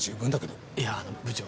いやあの部長。